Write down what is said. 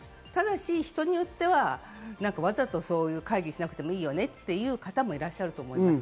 ただし、人によってはわざとそういう会議をしなくてもいいよねっていう方もいらっしゃると思います。